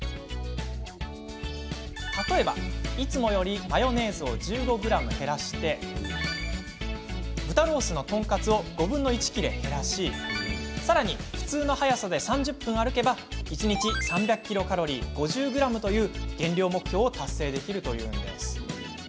例えば、いつもよりマヨネーズを１５ｇ減らし豚ロースのとんかつを５分の１切れ減らしさらに普通の速さで３０分歩けば１日３００ｋｃａｌ５０ｇという減量目標を達成できるというのです。